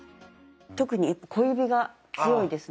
特に小指が強いですね。